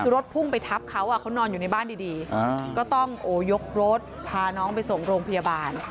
คือรถพุ่งไปทับเขาเขานอนอยู่ในบ้านดีก็ต้องโอ้ยกรถพาน้องไปส่งโรงพยาบาล